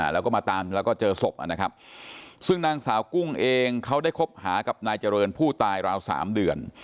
แล้วก็มาตามแล้วก็เจอศพนะครับซึ่งนางสาวกุ้งเองเขาได้คบหากับนายเจริญผู้ตายราว๓เดือน